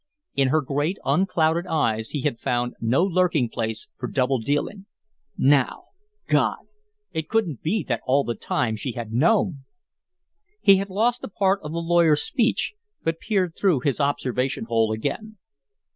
In her great, unclouded eyes he had found no lurking place for double dealing. Now God! It couldn't be that all the time she had KNOWN! He had lost a part of the lawyer's speech, but peered through his observation hole again.